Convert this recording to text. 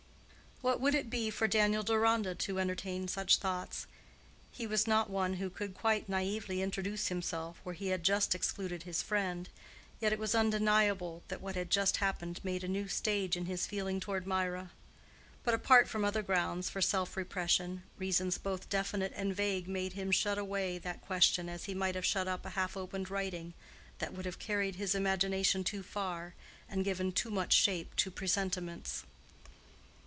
What would it be for Daniel Deronda to entertain such thoughts? He was not one who could quite naively introduce himself where he had just excluded his friend, yet it was undeniable that what had just happened made a new stage in his feeling toward Mirah. But apart from other grounds for self repression, reasons both definite and vague made him shut away that question as he might have shut up a half opened writing that would have carried his imagination too far, and given too much shape to presentiments.